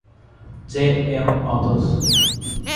J. M. Arthurs.